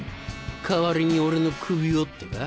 代わりに俺の首をってか？